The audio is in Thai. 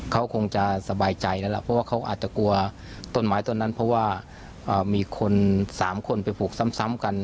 เขาคงจะสบายใจนั่นแหละเพราะว่าเขาอาจจะกลัวต้นไม้ต้นนั้นเพราะว่ามีคน๓คนไปผูกซ้ำกัน